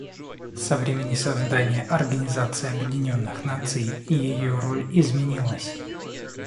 Со времени создания Организации Объединенных Наций ее роль изменилась.